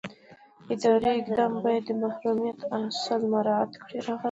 اداري اقدام باید د محرمیت اصل مراعات کړي.